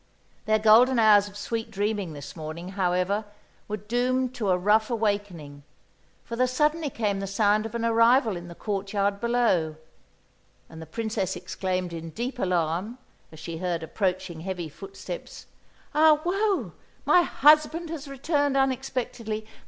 Their golden hours of sweet dreaming this morning, however, were doomed to a rough awakening; for there suddenly came the sound of an arrival in the courtyard below, and the Princess exclaimed in deep alarm, as she heard approaching heavy footsteps: "Ah, woe! My husband has returned unexpectedly!